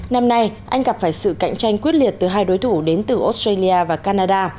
năm nay anh gặp phải sự cạnh tranh quyết liệt từ hai đối thủ đến từ australia và canada